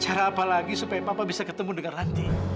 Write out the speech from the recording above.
cara apa lagi supaya papa bisa ketemu dengan nanti